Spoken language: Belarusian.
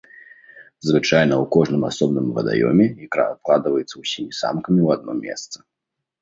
Звычайна ў кожным асобным вадаёме ікра адкладваецца ўсімі самкамі ў адно месца.